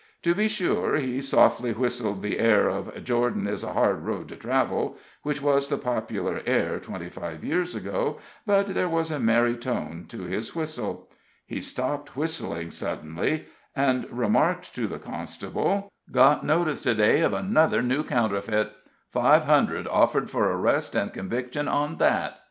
To be sure, he softly whistled the air of, "Jordan is a hard road to travel," which was the popular air twenty five years ago, but there was a merry tone to his whistle. He stopped whistling suddenly, and remarked to the constable: "Got notice to day of another new counterfeit. Five hundred offered for arrest and conviction on that.